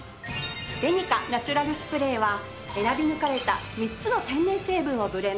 ベニカナチュラルスプレーは選び抜かれた３つの天然成分をブレンド。